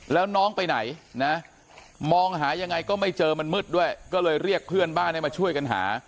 แล้วน้องไปไหนนะมองหายังไงก็ไม่เจอมันมืดด้วยก็เลยเรียกเพื่อนบ้านให้มาช่วยกันหา